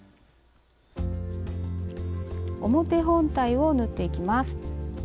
表本体を縫っていきます。